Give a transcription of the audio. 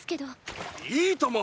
いいとも！